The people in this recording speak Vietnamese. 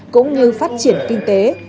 cũng như phát triển kinh tế